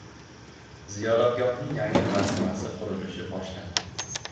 Ziyoratgohning yangi majmuasi qurilishi boshlandi